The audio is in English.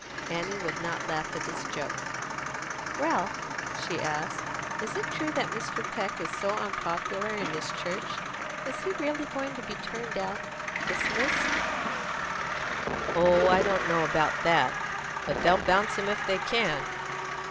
Annie would not laugh at his joke. "Ralph," she asked, "is it true that Mr. Peck is so unpopular in his church? Is he really going to be turned out dismissed?" "Oh, I don't know about that. But they'll bounce him if they can."